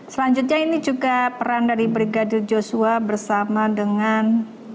selanjutnya ini juga peran dari brigadir joshua bersama dengan